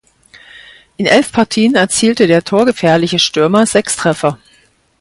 In elf Partien erzielte der torgefährliche Stürmer sechs Treffer.